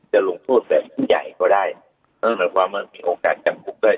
จะลงโทษแบบใหญ่ก็ได้เท่าทำให้มีโอกาสกับคุกได้